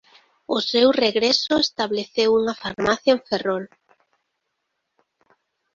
Ao seu regreso estableceu unha farmacia en Ferrol.